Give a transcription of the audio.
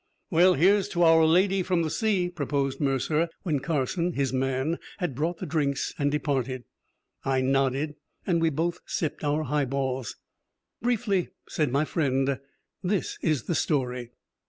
"Well, here's to our lady from the sea," proposed Mercer, when Carson, his man, had brought the drinks and departed. I nodded, and we both sipped our highballs. "Briefly," said my friend, "this is the story.